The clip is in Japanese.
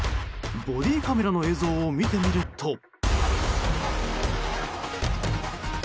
ボディーカメラの映像を見てみると。